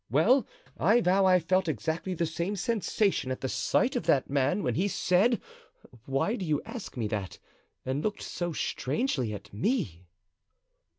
Well, I vow I felt exactly the same sensation at sight of that man when he said, 'Why do you ask me that?' and looked so strangely at me."